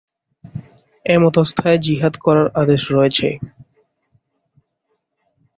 এমতাস্থায় জিহাদ করার আদেশ রয়েছে।